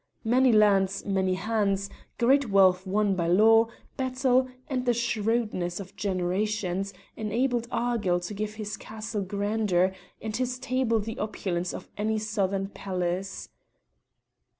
Many lands, many hands, great wealth won by law, battle, and the shrewdness of generations, enabled Argyll to give his castle grandeur and his table the opulence of any southern palace.